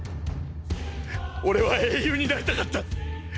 俺は英雄になりたかった！！